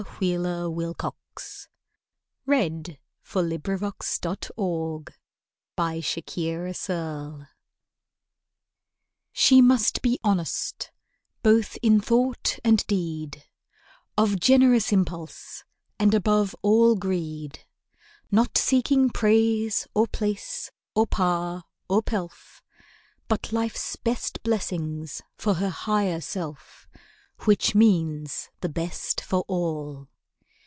Keep the purpose well in mind,— Getting back to God. WOMANHOOD She must be honest, both in thought and deed, Of generous impulse, and above all greed; Not seeking praise, or place, or power, or pelf, But life's best blessings for her higher self, Which means the best for all.